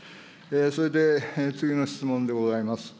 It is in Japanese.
それで次の質問でございます。